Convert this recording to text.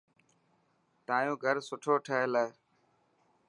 تايو گھر سٺو ٺهيل هي.